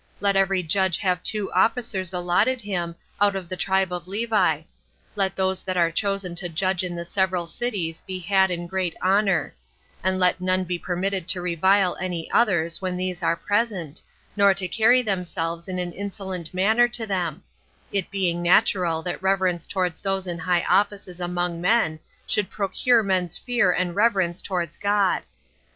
Let every judge have two officers allotted him out of the tribe of Levi. Let those that are chosen to judge in the several cities be had in great honor; and let none be permitted to revile any others when these are present, nor to carry themselves in an insolent manner to them; it being natural that reverence towards those in high offices among men should procure men's fear and reverence towards God.